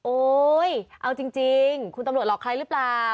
โอ๊ยเอาจริงคุณตำรวจหลอกใครหรือเปล่า